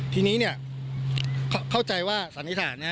ทีนี้เข้าใจว่าสันนิษฐาน